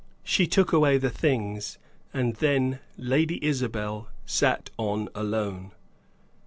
She took away the things, and then Lady Isabel sat on alone.